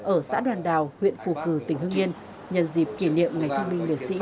ở xã đoàn đào huyện phù cử tỉnh hương yên nhân dịp kỷ niệm ngày thương minh liệt sĩ hai mươi bảy tháng bảy